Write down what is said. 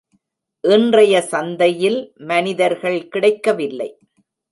இன்றைய சந்தையில் மனிதர்கள் கிடைக்கவில்லை.